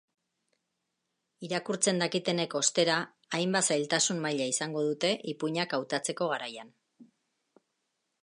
Irakurtzen dakitenek, ostera, hainbat zailtasun maila izango dute ipuinak hautatzeko garaian.